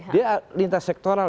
dia lintas sektoral